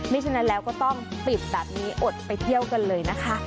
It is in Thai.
ฉะนั้นแล้วก็ต้องปิดแบบนี้อดไปเที่ยวกันเลยนะคะ